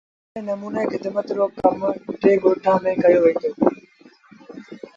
ايڙي نموني کدمت رو ڪم با ٽي ڳوٺآݩ ميݩ ڪيو وهيٚتو۔